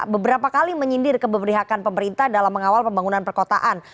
beberapa kali menyindir keberhakan pemerintah dalam mengawal pembangunan perkotaan